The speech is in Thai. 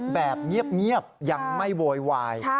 แบบเงียบยังไม่โวยวาย